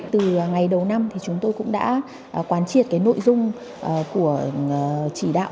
từ ngày đầu năm chúng tôi cũng đã quán triệt nội dung của chỉ đạo